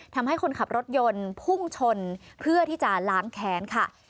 ทำให้คนขับรถยนต์พุ่งชนเพื่อที่จะล้างแค้นค่ะ